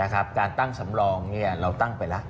การตั้งสำรองเราตั้งไปแล้ว